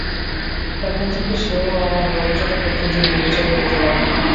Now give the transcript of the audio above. এখন থেকে সে-ও আমার রগচটা প্রকৃতির পরিচয় পেতে লাগল।